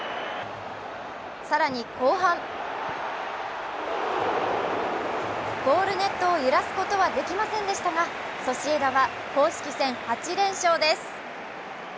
更に後半、ゴールネットを揺らすことはできませんでしたがソシエダは公式戦８連勝です。